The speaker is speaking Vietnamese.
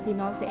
thì nó sẽ